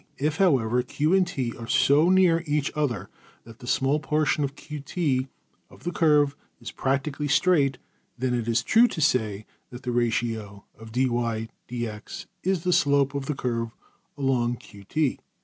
If, however, $Q$ and~$T$ are so near each other that the small portion~$QT$ of the curve is practically straight, then it is true to say that the ratio~$\dfrac{dy}{dx}$ is the slope of the curve along~$QT$.